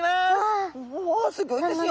おすギョいですよ。